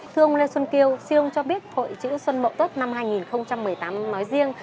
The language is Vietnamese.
thưa ông lê xuân kiều siêu ông cho biết hội chữ xuân mậu tết năm hai nghìn một mươi tám nói riêng